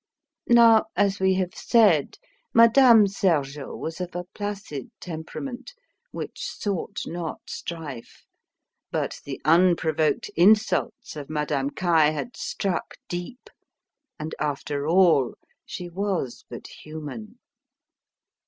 Now, as we have said, Madame Sergeot was of a placid temperament which sought not strife. But the unprovoked insults of Madame Caille had struck deep, and, after all, she was but human.